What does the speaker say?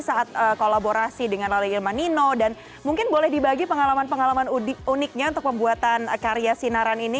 saat kolaborasi dengan lalai ilman nino dan mungkin boleh dibagi pengalaman pengalaman uniknya untuk pembuatan karya sinaran ini